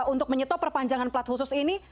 untuk menyetop perpanjangan plat khusus ini